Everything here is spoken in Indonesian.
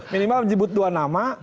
minimal menyebut dua nama